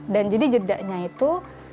dan jadi jedaknya itu